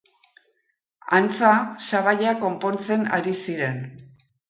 Antza, sabaia konpontzen ari ziren.